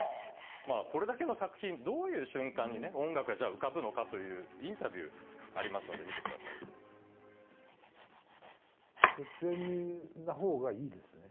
これだけの作品、どういう瞬間に音楽が浮かぶのかという、インタビューありますので、見てくださ突然なほうがいいですね。